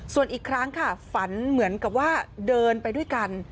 ส่วนอีกครั้งค่ะฝันเหมือนกับว่าเดินไปด้วยกัน